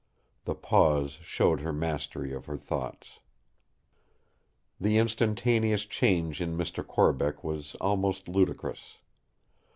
The pause showed her mastery of her thoughts. The instantaneous change in Mr. Corbeck was almost ludicrous.